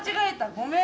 ごめん。